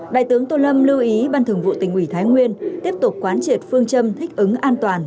đại tướng tô lâm lưu ý ban thường vụ tỉnh ủy thái nguyên tiếp tục quán triệt phương châm thích ứng an toàn